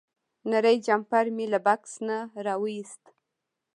نری جمپر مې له بکس نه راوویست.